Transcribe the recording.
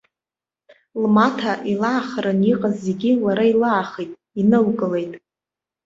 Лмаҭа илаахаран иҟаз зегьы лара илаахеит, инылкылеит.